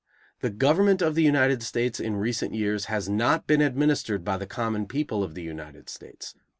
The government of the United States in recent years has not been administered by the common people of the United States.